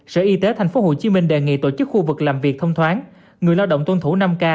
sở y tế tp hcm đề nghị tổ chức khu vực làm việc thông thoáng người lao động tuân thủ năm k